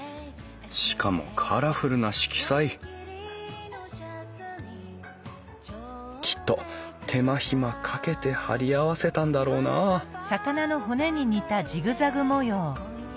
しかもカラフルな色彩きっと手間暇かけて貼り合わせたんだろうなうん。